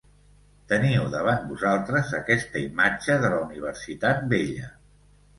Teniu davant vosaltres aquesta imatge de la universitat vella.